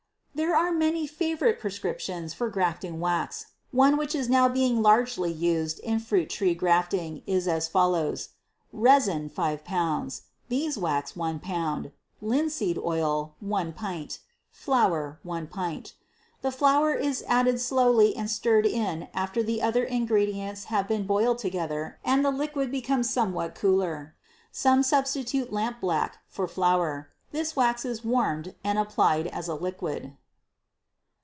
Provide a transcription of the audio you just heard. There are many "favorite prescriptions" for grafting wax. One which is now being largely used in fruit tree grafting is as follows: Resin, 5 lbs.; beeswax, 1 lb.; linseed oil, 1 pint; flour, 1 pint. The flour is added slowly and stirred in after the other ingredients have been boiled together and the liquid becomes somewhat cooler. Some substitute lampblack for flour. This wax is warmed and applied as a liquid.